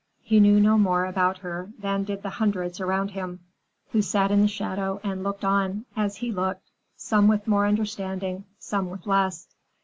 He knew no more about her than did the hundreds around him, who sat in the shadow and looked on, as he looked, some with more understanding, some with less.